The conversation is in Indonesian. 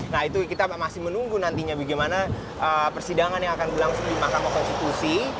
nah itu kita masih menunggu nantinya bagaimana persidangan yang akan berlangsung di mahkamah konstitusi